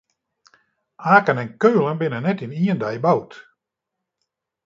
Aken en Keulen binne net yn ien dei boud.